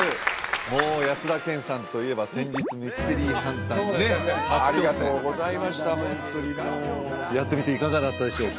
もう安田顕さんといえば先日ミステリーハンターにね初挑戦ありがとうございましたホントにもうやってみていかがだったでしょうか？